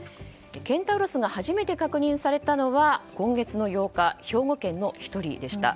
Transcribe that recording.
ケンタウロスが初めて確認されたのは今月の８日兵庫県の１人でした。